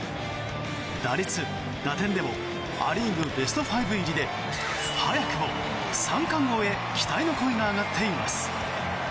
打率、打点でもア・リーグベスト５入りで早くも三冠王へ期待の声が上がっています。